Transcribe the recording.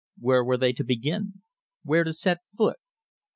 Where were they to begin? Where to set foot?